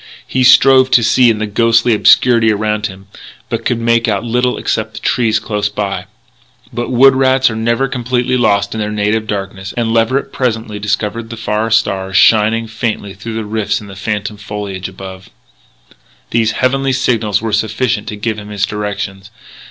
He strove to see in the ghostly obscurity around him, but could make out little except the trees close by. But wood rats are never completely lost in their native darkness; and Leverett presently discovered the far stars shining faintly through rifts in the phantom foliage above. These heavenly signals were sufficient to give him his directions.